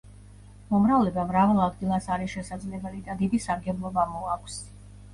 მომრავლება მრავალ ადგილას არის შესაძლებელი და დიდი სარგებლობა მოაქვს.